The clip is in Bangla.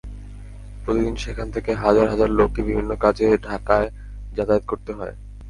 প্রতিদিন সেখান থেকে হাজার হাজার লোককে বিভিন্ন কাজে ঢাকায় যাতায়াত করতে হয়।